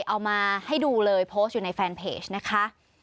เอามาให้ดูเลยโพสต์อยู่ในแฟนเพจนะคะ